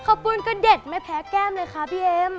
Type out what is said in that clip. ขอบคุณก็เด็ดไม่แพ้แก้มเลยครับพี่เอ็ม